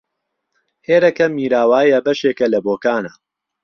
ئێرەکە میراوایە بەشێکە لە بۆکانە